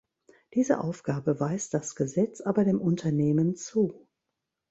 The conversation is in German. Diese Aufgabe weist das Gesetz aber dem Unternehmen zu.